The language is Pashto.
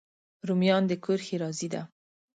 رومیان د کور ښېرازي ده